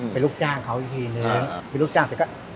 ไปลูกจ้างเค้าอีกทีนึง